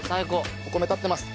お米立ってます。